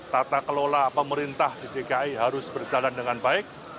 tata kelola pemerintah di dki harus berjalan dengan baik